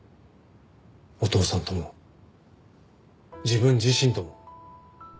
お父さんとも自分自身とも。